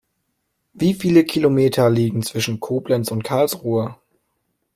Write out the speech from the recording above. Wie viele Kilometer liegen zwischen Koblenz und Karlsruhe?